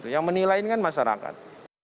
yang menilai kan masyarakat